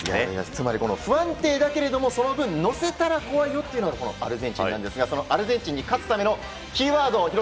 つまり、不安定だけどもその分、乗せたら怖いのがアルゼンチンなんですがそのアルゼンチンに勝つためのキーワード